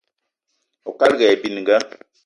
Oukalga aye bininga